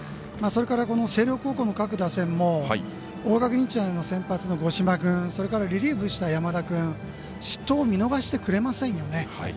それから、星稜高校の各打線も大垣日大の先発の五島君それからリリーフした山田君失投を見逃してくれませんよね。